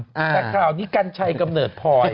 แต่ข่าวนี้กัญชัยกำเนิดพลอย